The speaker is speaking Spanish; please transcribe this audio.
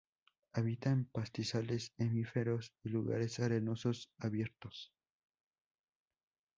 Habita en pastizales efímeros y lugares arenosos abiertos.